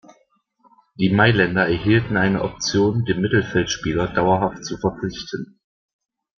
Die Mailänder erhielten eine Option, den Mittelfeldspieler dauerhaft zu verpflichten.